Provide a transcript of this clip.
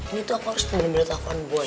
ini tuh aku harus bener bener telfon boy